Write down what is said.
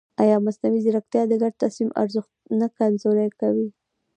ایا مصنوعي ځیرکتیا د ګډ تصمیم ارزښت نه کمزوری کوي؟